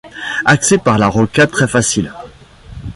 Accès par la rocade très facile.